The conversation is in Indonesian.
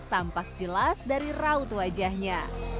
tampak jelas dari raut wajahnya